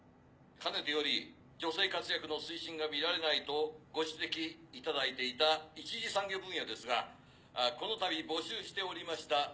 かねてより女性活躍の推進が見られないとご指摘いただいていた１次産業分野ですがこのたび募集しておりました